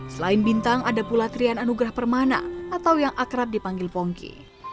selain bintang ada pula trian anugrah permana atau yang akrab dipanggil pongki